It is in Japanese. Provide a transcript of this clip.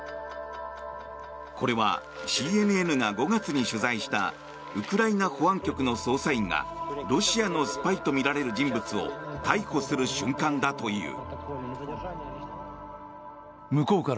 これはＣＮＮが５月に取材したウクライナ保安局の捜査員がロシアのスパイとみられる人物を逮捕する瞬間だという。